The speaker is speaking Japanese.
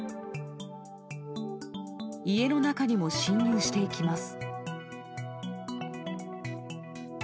家の中にも侵入していきます。